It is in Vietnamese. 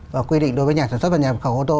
và quy định đối với nhà sản xuất và nhà nhập khẩu ô tô